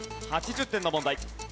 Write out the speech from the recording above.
８０点の問題。